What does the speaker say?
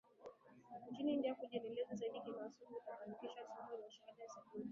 nchini India kujiendeleza zaidi kimasomo akafanikiwa kusoma na Shahada ya Saikolojia Lugha na Habari